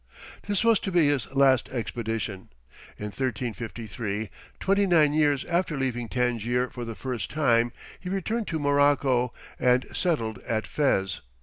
This was to be his last expedition. In 1353, twenty nine years after leaving Tangier for the first time, he returned to Morocco, and settled at Fez.